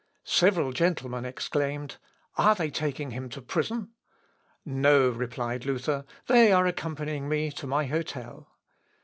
Several gentlemen exclaimed, "Are they taking him to prison?" "No," replied Luther, "they are accompanying me to my hotel."